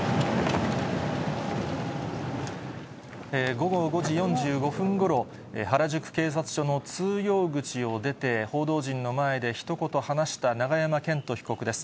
午後５時４５分ごろ、原宿警察署の通用口を出て、報道陣の前でひと言話した永山絢斗被告です。